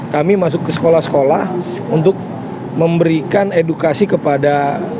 kami masuk ke sekolah sekolah untuk memberikan edukasi kepada